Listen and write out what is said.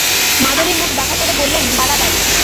মাধবী মুখ বাঁকা করে বললেন, বাড়াবাড়ি।